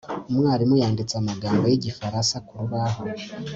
umwarimu yanditse amagambo yigifaransa kurubaho